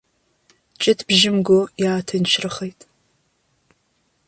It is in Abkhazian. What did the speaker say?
Ҷытбжьы мго иааҭынчрахеит.